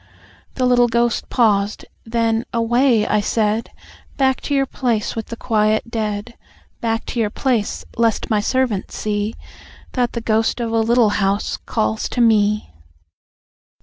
The little ghost paused. Then "Away!" I said. "Back to your place with the quiet dead. Back to your place, lest my servants see, That the ghost of a Little House calls to me."